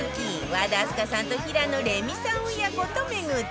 和田明日香さんと平野レミさん親子と巡って